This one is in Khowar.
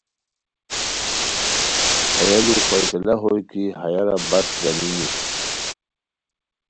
ہیہ ُلو فیصلہ ہوئے کی ہیارا بس گانینی